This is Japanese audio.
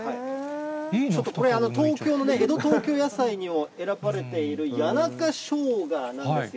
これ、東京のね、江戸東京野菜にも選ばれている谷中ショウガなんですよ。